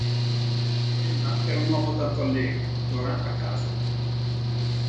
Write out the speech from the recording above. Prima era un uomo tanto allegro; ora ha casa.